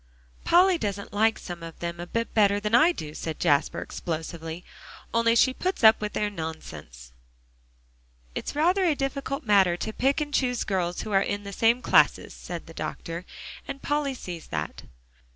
"Polly doesn't like some of them a bit better than I do," said Jasper explosively, "only she puts up with their nonsense." "It's rather a difficult matter to pick and choose girls who are in the same classes," said the doctor, "and Polly sees that."